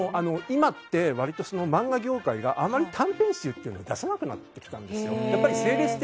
今って、割と漫画業界があまり短編集を出さなくなってきたんですよ。